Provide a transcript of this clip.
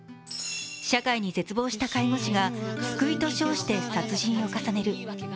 社会に絶望した介護士が救いと称して殺人を重ねる。